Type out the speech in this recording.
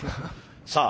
さあ